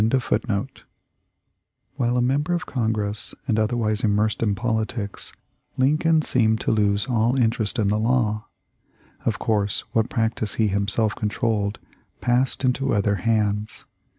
307 While a member of Congress and otherwise immersed in politics Lincoln seemed to lose all interest in the law. Of course, what practice he himself controlled passed into other hands.